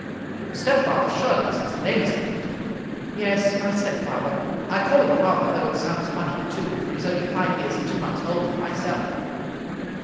" Your stepfather, surely, since the name is different." " Yes, my stepfather. I call him father, though it sounds funny, too, for he is only five years and two months older than myself."